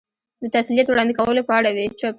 د تسلیت وړاندې کولو په اړه وې.